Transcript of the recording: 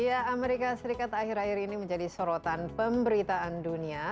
ya amerika serikat akhir akhir ini menjadi sorotan pemberitaan dunia